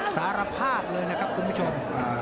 สารภาพเลยนะครับคุณผู้ชม